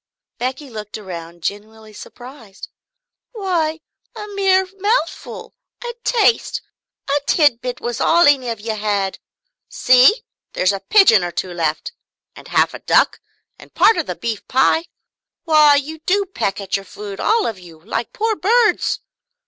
Becky looked around genuinely surprised. "Why a mere mouthful, a taste, a tidbit, was all any of you had. See there's a pigeon or two left, and half a duck, and part of the beef pie why, you do but peck at your food, all of you, like poor birds!"